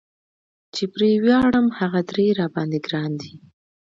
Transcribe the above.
چې پرې وياړم هغه درې را باندي ګران دي